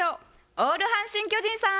オール阪神・巨人さん！